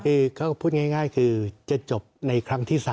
คือเขาพูดง่ายคือจะจบในครั้งที่๓